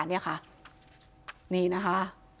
นี่นะคะ